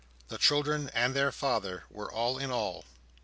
The children and their father were all in all.